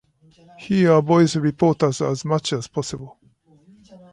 He avoids reporters as much as possible.